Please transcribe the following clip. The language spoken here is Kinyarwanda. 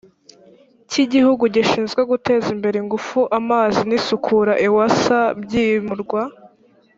cy igihugu gishinzwe guteza imbere ingufu amazi n isukura ewsa byimurwa